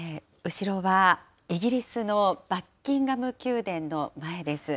後ろはイギリスのバッキンガム宮殿の前です。